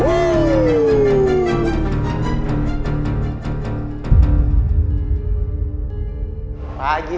jangan lupa jem